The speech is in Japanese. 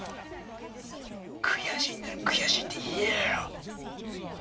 悔しいんなら悔しいって言えよ！